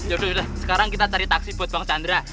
yaudah sekarang kita cari taksi buat bang chandra